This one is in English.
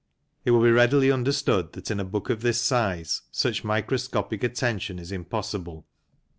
It will be readily understood that in a book of this size such microscopic attention is impossible.